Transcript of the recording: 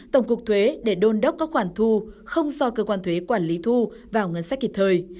tổng cục thuế để đôn đốc các khoản thu không do cơ quan thuế quản lý thu vào ngân sách kịp thời